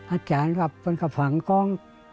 อาจารย์ครับมันก็ฝังกอง